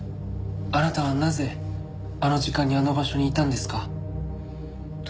あなたはなぜあの時間にあの場所にいたんですか？